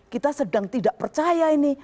kita sedang tidak percaya ini